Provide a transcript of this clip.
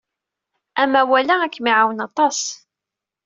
Amawal-a ad kem-iɛawen aṭas.